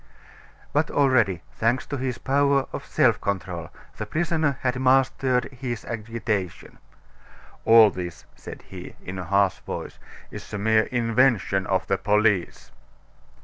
But already, thanks to his power of self control, the prisoner had mastered his agitation. "All this," said he, in a harsh voice, "is a mere invention of the police!"